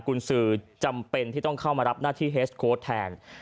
คุณสือจำเป็นที่ต้องเข้ามารับหน้าที่เฮสโค้ดแทน